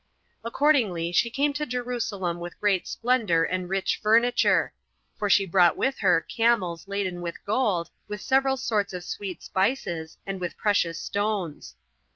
Accordingly she came to Jerusalem with great splendor and rich furniture; for she brought with her camels laden with gold, with several sorts of sweet spices, and with precious stones.